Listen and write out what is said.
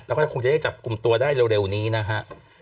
แล้วก็คงจะได้จับกลุ่มตัวได้เร็วนี้นะฮะ